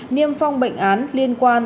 niêm phong bệnh án liên quan